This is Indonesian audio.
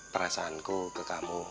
perasaanku ke kamu